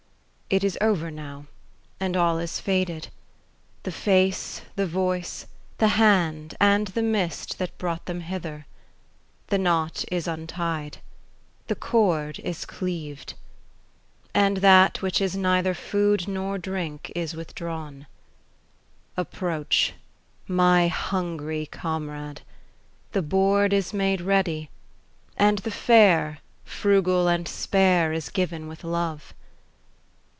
It is over now, and all is faded :— The face, the voice, the hand and the mist that brought them hither. The knot is untied. The cord is cleaved. And that which is neither food nor drink is withdrawn. Approach, my hungry comrade ; The board is made ready. And the fare, frugal and spare. Is given with love.